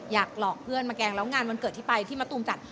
อยากหลอกเพื่อนมาแกล้งแล้วงานวันเกิดที่ไปที่มะตูมจัด